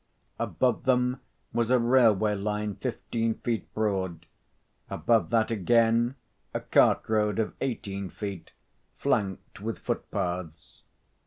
Above them was a railway line fifteen feet broad; above that, again, a cart road of eighteen feet, flanked with footpaths.